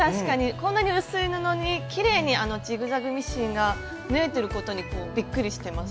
こんなに薄い布にきれいにジグザグミシンが縫えてることにびっくりしてます。